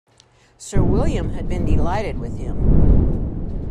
Sir William had been delighted with him.